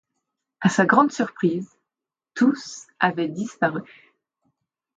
À sa grande surprise, tous avaient disparu.